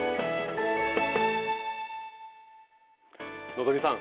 希さん。